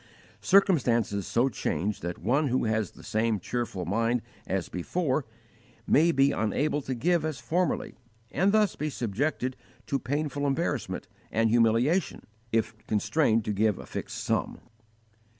Circumstances so change that one who has the same cheerful mind as before may be unable to give as formerly, and thus be subjected to painful embarrassment and humiliation if constrained to give a fixed sum.